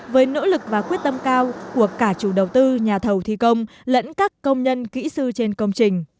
với nỗ lực và quyết tâm cao của cả chủ đầu tư nhà thầu thi công lẫn các công nhân kỹ sư trên công trình